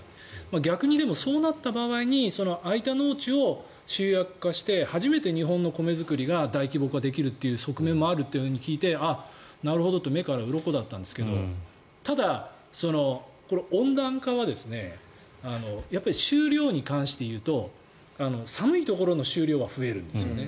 逆にそうなった場合に空いた農地を集約化して初めて日本の米作りが大規模化できるという側面もあると聞いてなるほどと目からうろこだったんですがただ、温暖化は収量に関して言うと寒いところの収量は増えるんですよね。